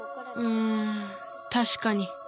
うんたしかに。